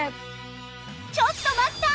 ちょっと待った！